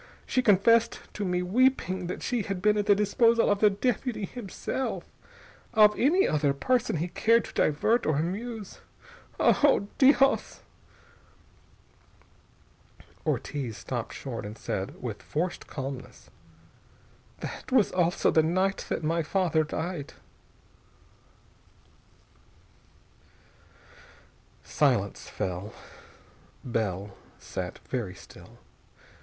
She confessed to me, weeping, that she had been at the disposal of the deputy himself. Of any other person he cared to divert or amuse.... Oh! Dios!" Ortiz stopped short and said, in forced calmness: "That also was the night that my father died." Silence fell. Bell sat very still.